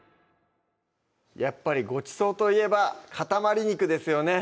やっぱりごちそうといえばかたまり肉ですよね